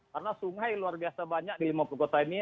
karena sungai luar biasa banyak di lima puluh kota ini